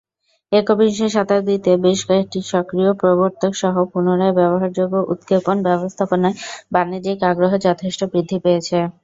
একবিংশ শতাব্দীতে, বেশ কয়েকটি সক্রিয় প্রবর্তক সহ পুনরায় ব্যবহারযোগ্য উৎক্ষেপণ ব্যবস্থায় বাণিজ্যিক আগ্রহ যথেষ্ট বৃদ্ধি পেয়েছে।